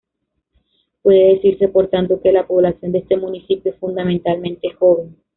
Puede decirse por tanto, que la población de este municipio es fundamentalmente joven.